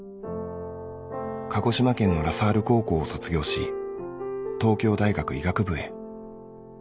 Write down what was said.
鹿児島県のラ・サール高校を卒業し東京大学医学部へ。